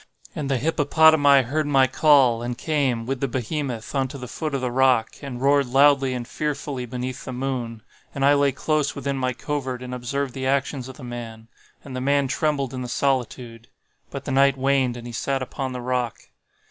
And the hippopotami heard my call, and came, with the behemoth, unto the foot of the rock, and roared loudly and fearfully beneath the moon. And I lay close within my covert and observed the actions of the man. And the man trembled in the solitude;—but the night waned and he sat upon the rock.